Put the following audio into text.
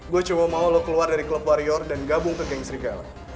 gua cuma mau lu keluar dari klub warrior dan gabung ke geng serigala